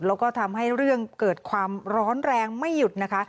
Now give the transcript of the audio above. แล้วก็ทำให้เรื่องเกิดความร้อนแรงไม่หยุดนะคะ